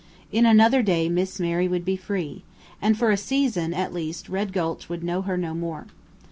In another day Miss Mary would be free; and for a season, at least, Red Gulch would know her no more.